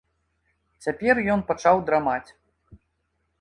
Цяпер ён пачаў драмаць.